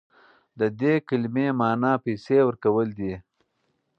د دې کلمې معنی پیسې ورکول دي.